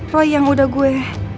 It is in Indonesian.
roy yang udah gue